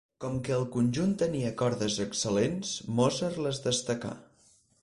Com que el conjunt tenia cordes excel·lents, Mozart les destacà.